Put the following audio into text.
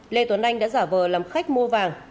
lê tuấn anh đã giả vờ làm khách mua vàng